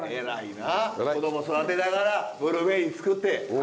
子供育てながらブルーベリー作って。